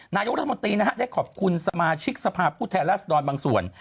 นายุทธมตีนะครับได้ขอบคุณสมาชิกสภาพผู้แทนล่าสนอนบางส่วน